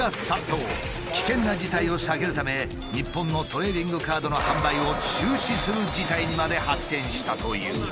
危険な事態を避けるため日本のトレーディングカードの販売を中止する事態にまで発展したという。